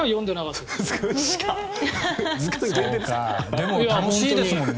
でも、楽しいですもんね。